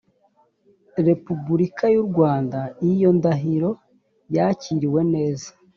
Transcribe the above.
repubulika y u rwanda iyo ndahiro yakiriwe neza